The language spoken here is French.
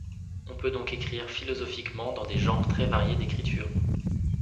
On peut donc écrire philosophiquement dans des genres très variés d’écriture.